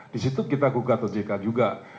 di situ kita gugat ojk juga